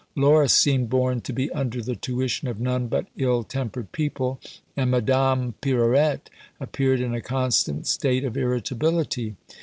Laura seemed born to be under the tuition of none but ill tempered people, and Madame Pirouette appeared in a constant state of irritability.